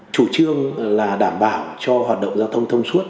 chủ trương là đảm bảo cho hoạt động giao thông thông suốt